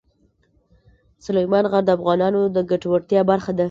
سلیمان غر د افغانانو د ګټورتیا برخه ده.